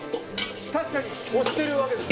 確かに押してるわけですね。